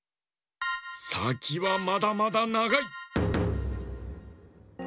さきはまだまだながい！